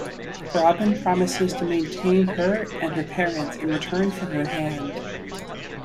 Robin promises to maintain her and her parents in return for her hand.